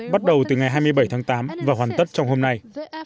bắt đầu từ ngày hai mươi bảy tháng tám và hoàn tất trong hôm nay